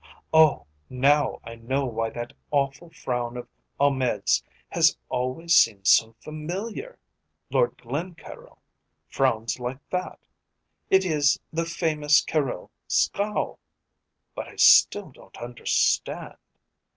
Oh, now I know why that awful frown of Ahmed's has always seemed so familiar. Lord Glencaryll frowns like that. It is the famous Caryll scowl. But I still don't understand."